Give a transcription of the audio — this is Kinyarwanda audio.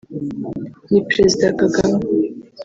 ni Perezida Kagame